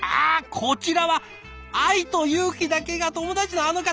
こちらは愛と勇気だけが友達のあの方？